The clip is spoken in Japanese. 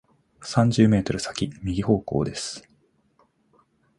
三十メートル先、右方向です。